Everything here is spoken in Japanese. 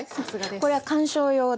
これは観賞用で。